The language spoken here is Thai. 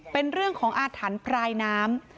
เป็นเรื่องของอาถรรพ์พรายน้ำ